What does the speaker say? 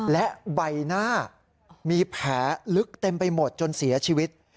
และใบหน้ามีแผลลึกเต็มไปหมดจนเสียชีวิต